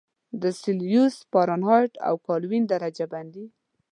لکه سلسیوس، فارنهایت او کلوین درجه بندي.